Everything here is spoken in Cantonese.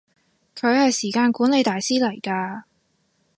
佢係時間管理大師嚟㗎